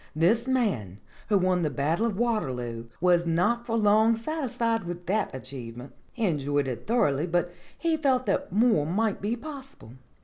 "This man who won the Battle of Waterloo was not for long satisfied with that achievement. He enjoyed it thor oughly, but he felt that more might be possible.